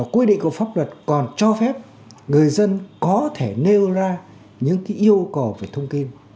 quy định của pháp luật còn cho phép người dân có thể nêu ra những yêu cầu về thông tin